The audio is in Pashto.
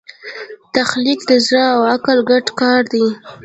تخلیق د زړه او عقل ګډ کار دی.